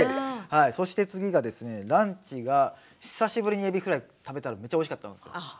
そして次がですねランチが久しぶりにエビフライを食べたらめっちゃおいしかったんですよ。